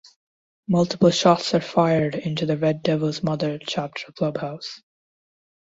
Multiple shots are fired into the Red Devils Mother chapter clubhouse.